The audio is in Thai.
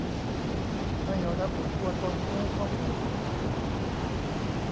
ไม่ระบุตัวตนผู้ให้ข้อมูล